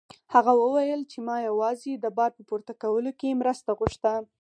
هغه وویل چې ما یوازې د بار په پورته کولو کې مرسته غوښته.